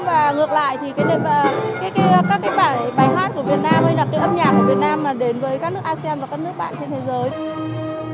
và ngược lại thì cái đẹp các cái bài hát của việt nam hay là cái âm nhạc của việt nam là đến với các nước asean và các nước bạn trên thế giới